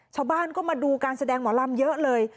ชาวบ้านก็มาดูการแสดงหมอลำเยอะเลย